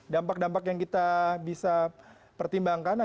dampak dampak yang kita bisa pertimbangkan